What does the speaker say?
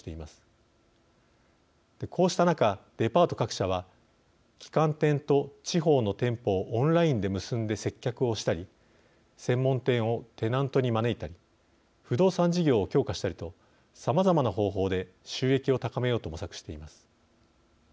こうした中デパート各社は旗艦店と地方の店舗をオンラインで結んで接客をしたり専門店をテナントに招いたり不動産事業を強化したりとさまざまな方法で収益を高めようと模索しています。